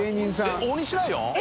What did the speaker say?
えっ大西ライオン？